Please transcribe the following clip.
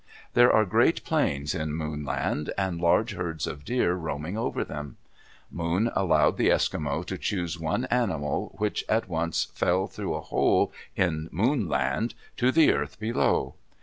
There are great plains in Moon Land, and large herds of deer roaming over them. Moon allowed the Eskimo to choose one animal, which at once fell through a hole in Moon Land to the earth below.